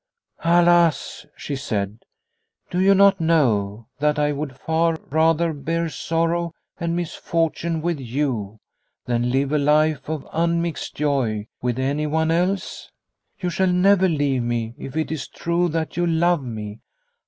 " Alas !" she said, " do you not know that I would far rather bear sorrow and misfortune with you than live a life of unmixed joy with anyone else ? You shall never leave me if it is true that you love me.